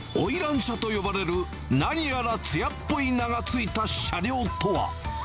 車と呼ばれる、何やらつやっぽい名が付いた車両とは。